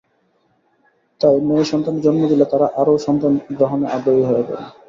তাই মেয়েসন্তানের জন্ম দিলে তারা আরও সন্তান গ্রহণে আগ্রহী হয়ে পড়ে।